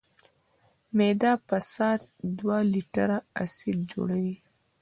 معده په ساعت دوه لیټره اسید جوړوي.